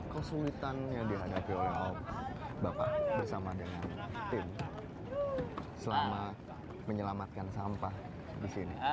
kesulitannya dihadapi oleh awak bapak bersama dengan tim selama menyelamatkan sampah di sini